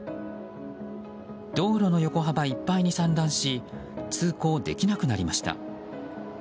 道路の横幅いっぱいに散乱し通行できなくなりました。